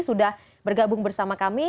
sudah bergabung bersama kami